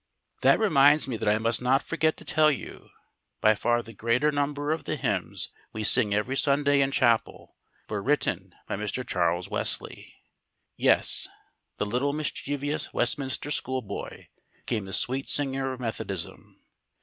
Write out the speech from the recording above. That reminds me that I must not forget to tell you, by far the greater number of the hymns we sing every Sunday in chapel were written by Mr. Charles Wesley. Yes, the little mischievous Westminster schoolboy became the sweet singer of Methodism.